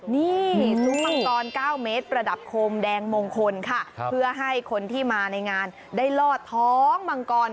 นี่ซุ้มมังกร๙เมตรประดับโคมแดงมงคลค่ะเพื่อให้คนที่มาในงานได้ลอดท้องมังกร